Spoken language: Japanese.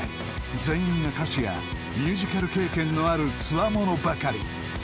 ［全員が歌手やミュージカル経験のあるつわものばかり］